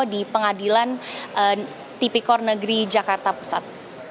di pengadilan tipikor negeri jakarta pusat